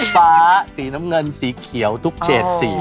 ฟ้าสีน้ำเงินสีเขียวทุกเฉดสี